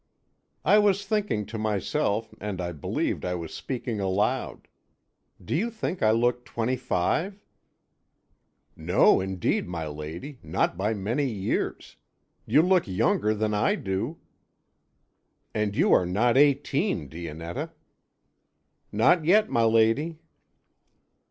"I was thinking to myself, and I believed I was speaking aloud. Do you think I look twenty five?" "No, indeed, my lady, not by many years. You look younger than I do." "And you are not eighteen, Dionetta." "Not yet, my lady."